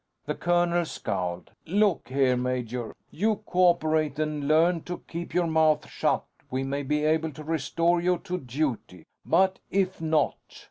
The colonel scowled. "Look here, major. You co operate and learn to keep your mouth shut, we may be able to restore you to duty. But if not